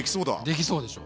できそうでしょ？